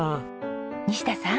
西田さん。